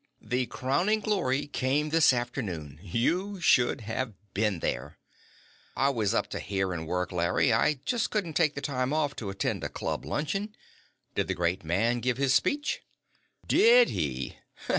"The crowning glory came this afternoon. You should have been there." "I was up to here in work, Larry. I just couldn't take the time off to attend a club luncheon. Did the great man give his speech?" "Did he?